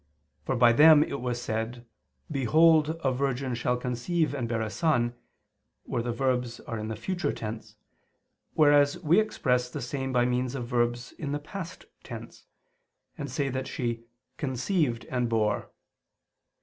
For by them was it said: "Behold a virgin shall conceive and bear a son," where the verbs are in the future tense: whereas we express the same by means of verbs in the past tense, and say that she "conceived and bore."